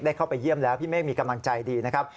เข้าไปเยี่ยมแล้วพี่เมฆมีกำลังใจดีนะครับ